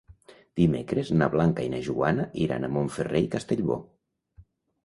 Dimecres na Blanca i na Joana iran a Montferrer i Castellbò.